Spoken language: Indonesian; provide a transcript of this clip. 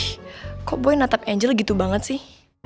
ih kok boy natap angel gitu banget sih